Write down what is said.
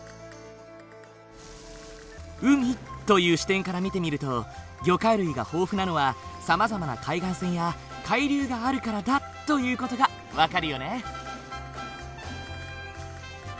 「海」という視点から見てみると魚介類が豊富なのはさまざまな海岸線や海流があるからだという事が分かるよね。